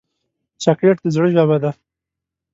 چاکلېټ د زړه ژبه ده.